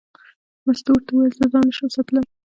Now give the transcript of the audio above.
مستو ورته وویل: زه ځان نه شم ساتلی.